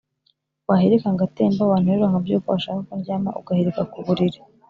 Wahirika ngatembaWanterura nkabyukaWashaka ko ndyamaUgahirika ku buriri